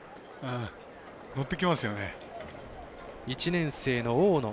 １年生の大野。